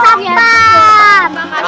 makasih ya adek